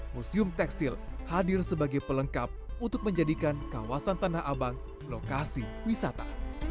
museum tekstil hadir sebagai pelengkap untuk menjadikan kawasan tanah abang lokasi wisata